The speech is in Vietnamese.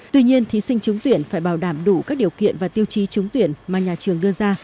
tuy nhiên thí sinh trúng tuyển phải bảo đảm đủ các điều kiện và tiêu chí trúng tuyển mà nhà trường đưa ra